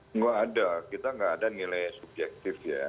tidak ada kita tidak ada nilai subjektif ya